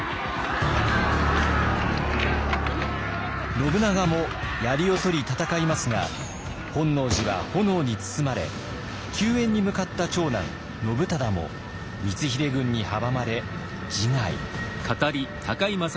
信長もやりを取り戦いますが本能寺は炎に包まれ救援に向かった長男信忠も光秀軍に阻まれ自害。